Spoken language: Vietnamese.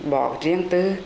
bỏ riêng tư